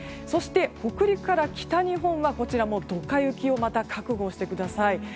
そして北陸から北日本はこちらもドカ雪をまた覚悟してください。